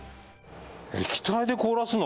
液体で凍らすの？